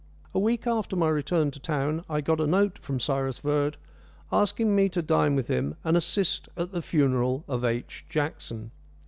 A week after my return to town I got a note from Cyrus Verd, asking me to dine with him and "assist at the funeral of H. Jackson."